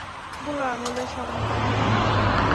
বুড়ো আঙ্গুলের সমান্তরালে।